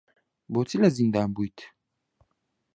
بۆچی لە زیندان بوویت؟